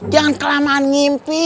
jangan kelamaan mimpi